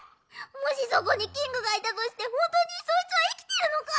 もしそこにキングがいたとしてほんとにそいつは生きてるのか？